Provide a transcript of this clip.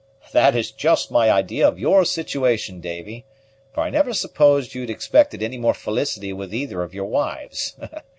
"That is just my idea of your situation, Davy; for I never supposed you expected any more felicity with either of your wives.